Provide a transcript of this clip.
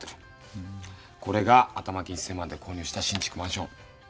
これが頭金１千万で購入した新築マンション。